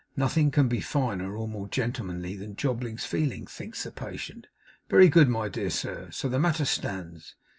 ['Nothing can be finer or more gentlemanly than Jobling's feeling,' thinks the patient.) 'Very good, my dear sir, so the matter stands.